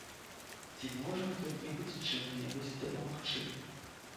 Ці можа хто небудзь чым-небудзь дапамагчы?